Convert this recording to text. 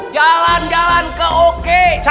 jalan jalan ke ok